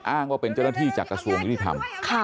อ้างว่าเป็นเจราะธิจากกระทรวงยนต์ริธรรม